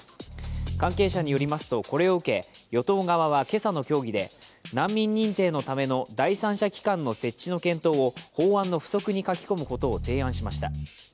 関係者によりますと、これを受け与党側は今朝の協議で難民認定のための第三者機関の設置の検討を法案の付則に書き込むことを提案しました。